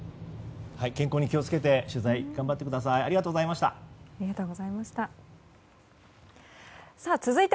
健康に気を付けて取材、頑張ってください。